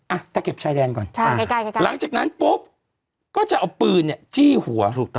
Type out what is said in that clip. อ่ะแต่เก็บชายแดนก่อนหลังจากนั้นปุ๊บก็จะเอาปืนจี้หัว